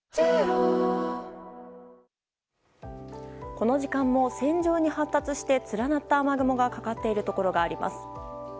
この時間も線状に発達して連なった雨雲がかかっているところがあります。